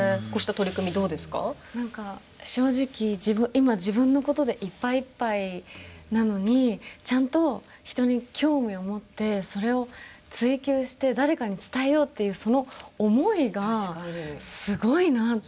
何か正直今自分のことでいっぱいいっぱいなのにちゃんと人に興味を持ってそれを追求して誰かに伝えようっていうその思いがすごいなって。